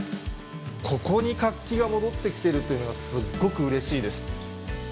ここに活気が戻ってきてるっていうのは、すっごくうれしいです。